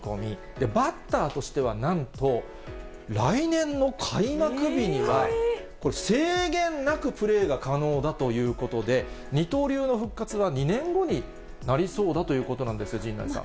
で、バッターとしては、なんと来年の開幕日には、これ、制限なくプレーが可能だということで、二刀流の復活は２年後になりそうだということなんです、陣内さん。